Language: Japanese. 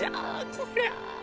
こりゃあ。